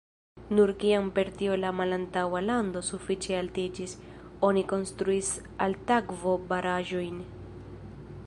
Nur kiam per tio la malantaŭa lando sufiĉe altiĝis, oni konstruis altakvo-baraĵojn.